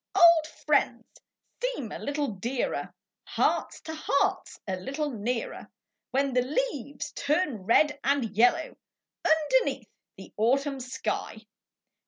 d Old 'friends seem a little dearer; Hearts to Hearts a little nearer, ( ADhen the leases turn red and Ljello^ Underneath the Autumn shij.